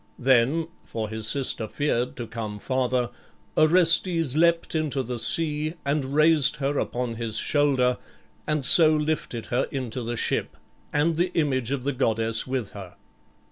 Then for his sister feared to come farther Orestes leapt into the sea and raised her upon his shoulder and so lifted her into the ship, and the image of the goddess with her.